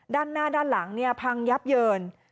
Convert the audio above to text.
ด้านหน้าด้านหลังพังยับเยิน